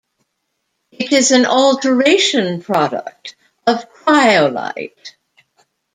It is an alteration product of cryolite.